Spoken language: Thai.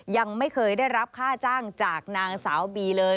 ยังไม่เคยได้รับค่าจ้างจากนางสาวบีเลย